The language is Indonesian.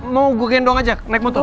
mau gue gendong aja naik motor